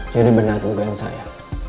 jadi benar juga yang saya